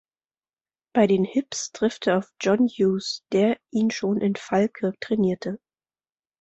Bei den "Hibs" trifft er auf John Hughes, der ihn schon in Falkirk trainierte.